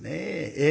ええ。